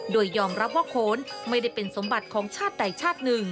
โดยยอมรับว่าโคนไม่เป็นสมบติของชาติใดชาติ